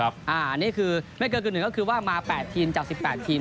ไม่เกินกลึ่งหนึ่งก็คือว่ามาแปดทีมจากสิบแปดทีม